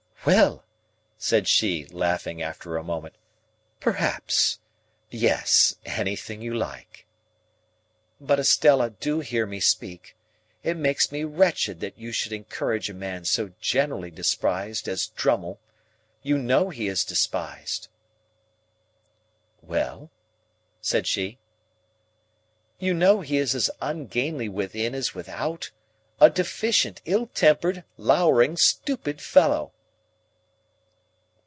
"Well!" said she, laughing, after a moment, "perhaps. Yes. Anything you like." "But, Estella, do hear me speak. It makes me wretched that you should encourage a man so generally despised as Drummle. You know he is despised." "Well?" said she. "You know he is as ungainly within as without. A deficient, ill tempered, lowering, stupid fellow."